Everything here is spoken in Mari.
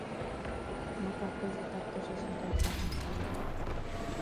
Ну-ка, кызытак тышечын тортатым савыре!